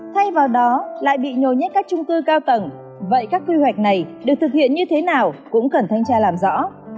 thay vào đó lại bị nhồi nhét các trung cư cao tầng vậy các quy hoạch này được thực hiện như thế nào cũng cần thanh tra làm rõ